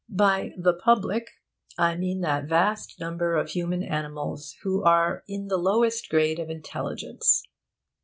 By 'the public' I mean that vast number of human animals who are in the lowest grade of intelligence.